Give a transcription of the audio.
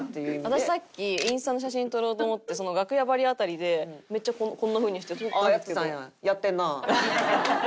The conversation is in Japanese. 私さっきインスタの写真撮ろうと思って楽屋バリ辺りでめっちゃこんなふうにして撮ってたんですけど。